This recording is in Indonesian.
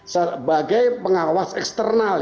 sebagai pengawas eksternal